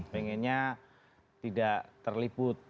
pengennya tidak terliput